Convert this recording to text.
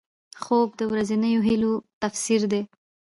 خوب د ورځنیو هیلو تفسیر دی